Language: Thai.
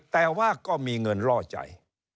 แต่ว่าก็มีเงินล่อใจ